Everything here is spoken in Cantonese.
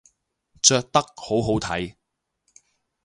着得好好睇